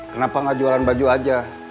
kenapa gak jualan baju aja